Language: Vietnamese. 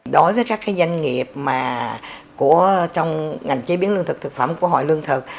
đối với các doanh nghiệp trong ngành chế biến lương thực thực phẩm của hội lương thực